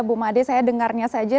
bu made saya dengarnya saja